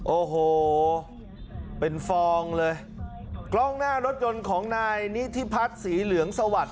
โอ้โหเป็นฟองเลยกล้องหน้ารถยนต์ของนายนิธิพัฒน์สีเหลืองสวัสดิ